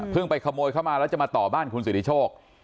ไปขโมยเข้ามาแล้วจะมาต่อบ้านคุณสิทธิโชค